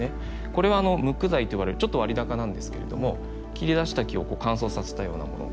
これは無垢材といわれるちょっと割高なんですけれども切り出した木を乾燥させたようなもの。